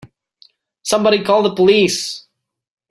Somebody call the police!